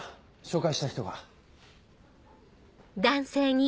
紹介したい人が。